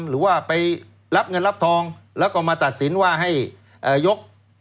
หรือว่าไปรับเงินรับทองแล้วก็มาตัดสินว่าให้ยก